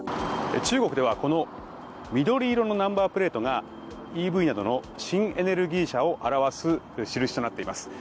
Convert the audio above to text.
中国ではこの緑色のナンバープレートがＥＶなどの新エネルギー車を表す印となっています。